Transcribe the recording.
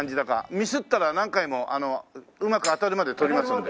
ミスったら何回もうまく当たるまで撮りますんで。